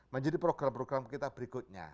menjadi program program kita berikutnya